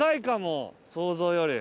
想像より。